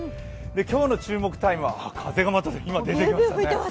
今日の注目タイムはまた風が出てきましたね。